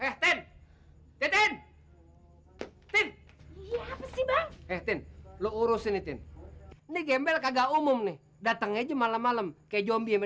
eh ten ten ten ten ten lo urusin ini gembel kagak umum nih datang aja malam malam ke zombie